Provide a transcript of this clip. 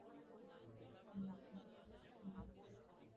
তাঁকে কারা নিয়ে গেছে, কেন নিয়ে গেছে, সেই প্রশ্নের জবাব পাচ্ছি না।